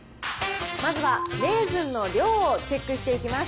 まずはレーズンの量をチェックしていきます。